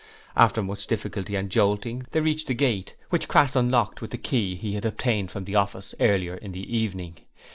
After much difficulty and jolting, they reached the gate, which Crass unlocked with the key he had obtained from the office earlier in the evening.